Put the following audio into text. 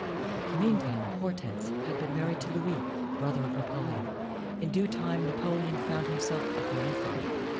Meantime Hortense had been married to Louis, brother of Napoleon. In due time Napoleon found himself a grandfather.